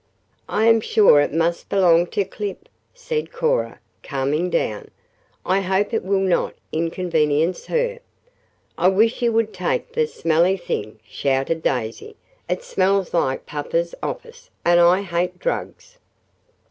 "I am sure it must belong to Clip," said Cora, calming down. "I hope it will not inconvenience her." "I wish you would take the smelly thing," shouted Daisy. "It smells like papa's office, and I hate drugs."